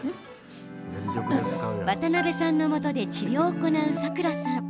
渡邊さんのもとで治療を行うさくらさん。